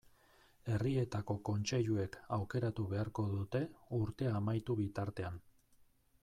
Herrietako kontseiluek aukeratu beharko dute urtea amaitu bitartean.